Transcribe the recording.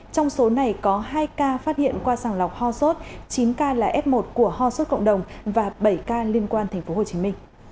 trong số này có hai ca phát hiện qua sàng lọc ho sốt chín ca là f một của ho sốt cộng đồng và bảy ca liên quan tp hcm